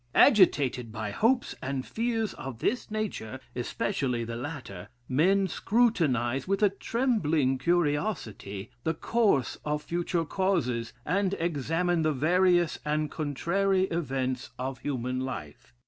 Agitated by hopes and fears of this nature, especially the latter, men scrutinize, with a trembling curiosity, the course of future causes, and examine the various and contrary events of human life.